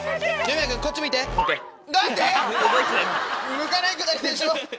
向かないくだりでしょ！